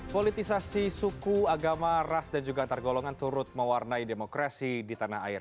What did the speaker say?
politisasi suku agama ras dan juga antar golongan turut mewarnai demokrasi di tanah air